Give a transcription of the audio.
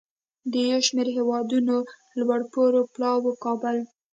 د یو شمیر هیوادونو لوړپوړو پلاوو کابل